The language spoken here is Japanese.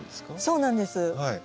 そうなんです。